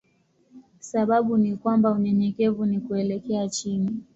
Sababu ni kwamba unyenyekevu ni kuelekea chini.